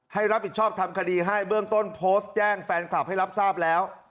ให้รับผิดชอบทำคดีให้เบื้องต้นโพสต์แจ้งแฟนคลับให้รับทราบแล้ว